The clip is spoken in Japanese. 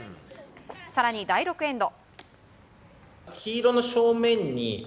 更に、第６エンド。